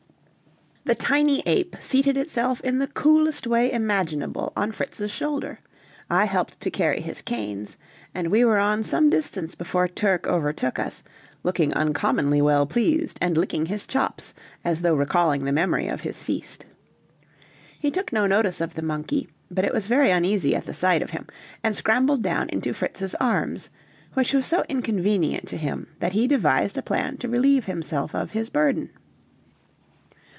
The tiny ape seated itself in the coolest way imaginable on Fritz's shoulder, I helped to carry his canes, and we were on some distance before Turk overtook us, looking uncommonly well pleased, and licking his chops as though recalling the memory of his feast. He took no notice of the monkey, but it was very uneasy at sight of him, and scrambled down into Fritz's arms, which was so inconvenient to him that he devised a plan to relieve himself of his burden.